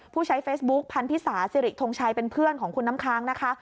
ผู้ใช้เฟซบุ๊คพันธิสาสิริทงชัยเป็นเพื่อนของคุณน้ำค้างนะคะ